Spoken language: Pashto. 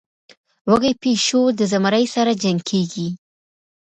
وږى پيشو د زمري سره جنکېږي.